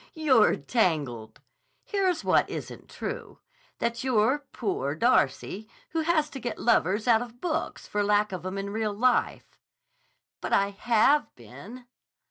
"You're tangled. Here's what isn't true; that you're 'Poor Darcy' who has to get lovers out of books for lack of 'em in real life." "But I have been."